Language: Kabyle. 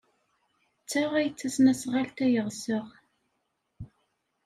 D ta ay d tasnasɣalt ay ɣseɣ.